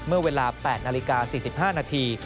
เมื่อเวลา๘นาฬิกา๔๕นาที